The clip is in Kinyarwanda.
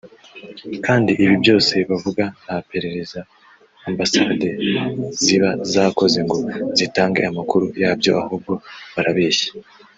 kandi ibi byose bavuga nta perereza Ambassade ziba zakoze ngo zitange amakuru yabyo ahubwo barabeshya